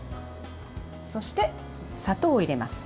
そして、砂糖を入れます。